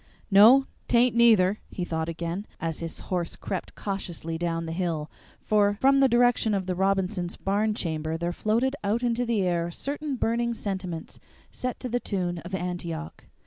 "No, 't aint, neither," he thought again, as his horse crept cautiously down the hill, for from the direction of the Robinsons' barn chamber there floated out into the air certain burning sentiments set to the tune of "Antioch."